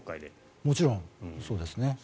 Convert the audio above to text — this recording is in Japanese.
もちろん、そうですね。